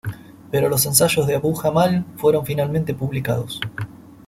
Pero los ensayos de Abu-Jamal fueron finalmente publicados.